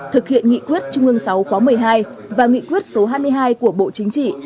thực hiện nghị quyết trung ương sáu khóa một mươi hai và nghị quyết số hai mươi hai của bộ chính trị